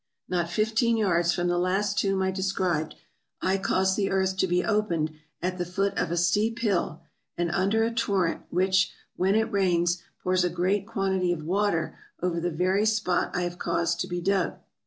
... Not fifteen yards from the last tomb I described, I caused the earth to be opened at the foot of a steep hill, and under a torrent, which, when it rains, pours a great quantity of water over the very spot I have caused to be dug.